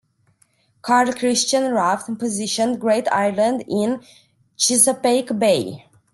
Carl Christian Rafn positioned Great Ireland in Chesapeake Bay.